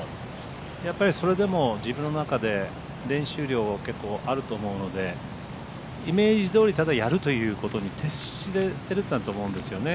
やっぱりそれでも自分の中で練習量結構あると思うのでイメージ通りただやるということに徹してるんだと思うんですよね。